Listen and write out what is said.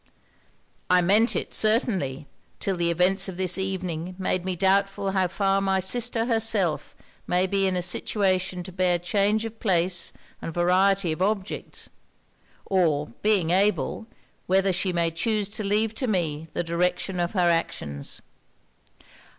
'I meant it, certainly, till the events of this evening made me doubtful how far my sister herself may be in a situation to bear change of place and variety of objects; or being able, whether she may chuse to leave to me the direction of her actions.'